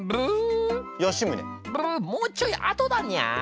もうちょいあとだにゃー。